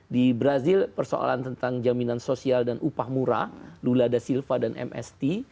di brazil persoalan tentang jaminan sosial dan upah murah lula da silva dan mst